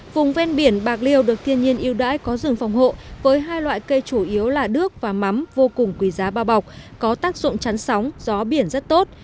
vùng ven biển bạc liêu được thiên nhiên yêu đãi có rừng phòng hộ với hai loại cây chủ yếu là đước và mắm vô cùng quý giá bao bọc có tác dụng chắn sóng gió biển rất tốt